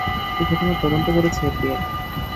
এ ঘটনার তদন্ত করছে এফবিআই।